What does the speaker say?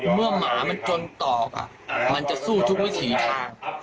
เมื่อหมามันจนตอบอ่ะมันจะสู้ทุกวิธีทาง